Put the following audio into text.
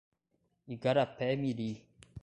Igarapé-miri